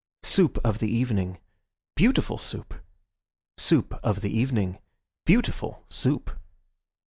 Soup of the evening, beautiful Soup! Soup of the evening, beautiful Soup!